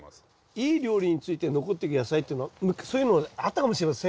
いい料理について残っていく野菜っていうのはそういうのあったかもしれません。